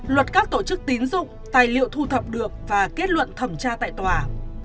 luật các tổ chức tín dụng tài liệu thu thập được và kết luận thẩm tra tại tòa